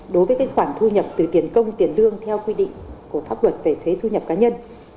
đối với khoản thu nhập từ tiền công tiền lương theo quy định của pháp luật về thuế thu nhập cá nhân